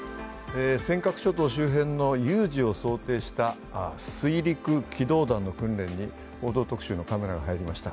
尖閣諸島周辺の有事を想定した水陸機動団の訓練に「報道特集」のカメラが入りました。